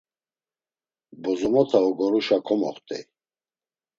Bozomota ogoruşa komoxt̆ey.